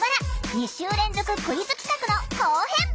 ２週連続クイズ企画の後編！